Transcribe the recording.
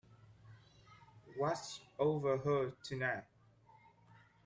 Watch over her tonight.